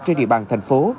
trên địa bàn thành phố